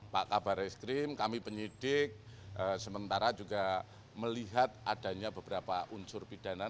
pak kabar eskrim kami penyidik sementara juga melihat adanya beberapa unsur pidana